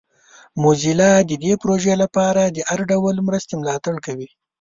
موزیلا د دې پروژې لپاره د هر ډول مرستې ملاتړ کوي.